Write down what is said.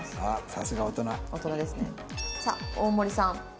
さあ大森さん。